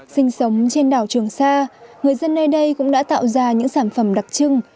sinh sống trên đảo trường sa người dân nơi đây cũng đã tạo ra những sản phẩm đặc trưng